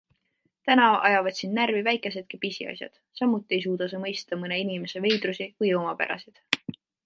Täna ajavad sind närvi väikesedki pisiasjad, samuti ei suuda sa mõista mõne inimese veidrusi või omapärasid.